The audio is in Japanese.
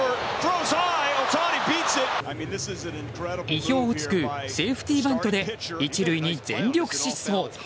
意表を突くセーフティーバントで１塁に全力疾走。